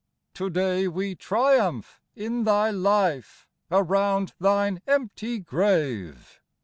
To day we triumph in Thy life, Around Thine empty grave.